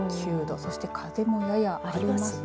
そして風もややありますね。